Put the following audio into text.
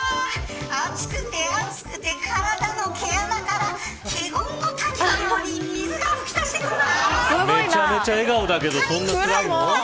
暑くて暑くて体の毛穴から華厳の滝のように水が噴き出してくるな。